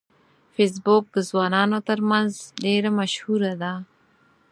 فېسبوک د ځوانانو ترمنځ ډیره مشهوره ده